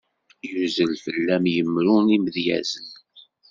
Yuzzel fell-am yimru n yimedyazen.